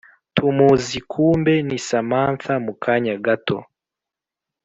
tumuzi kumbe ni samantha mukanya gato